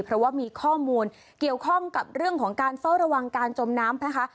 เพราะว่ามีข้อมูลเกี่ยวข้องกับเรื่องของการเฝ้าระวังการจมน้ำนะคะ